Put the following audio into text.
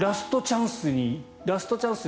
ラストチャンス